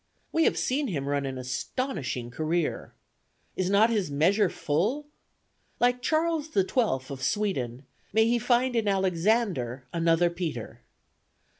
We have seen him run an astonishing career. Is not his measure full? Like Charles the XII of Sweden, he may find in Alexander another Peter.